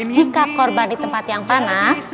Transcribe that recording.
jika korban di tempat yang panas